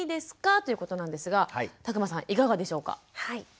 ということなんですが詫間さんいかがでしょうか？